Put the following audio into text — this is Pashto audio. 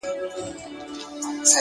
• د شعرونو کتابچه وای,